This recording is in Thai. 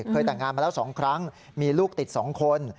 เคยแต่งงานมาแล้ว๒ครั้งมีลูกติด๒คน